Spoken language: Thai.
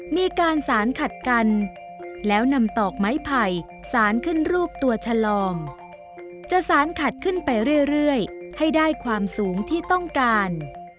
มีการสารขัดกันแล้วนำตอกไม้ไผ่สารขึ้นรูปตัวชะลองจะสารขัดขึ้นไปเรื่อยให้ได้ความสูงที่ต้องการ